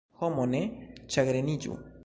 Homo, ne ĉagreniĝu!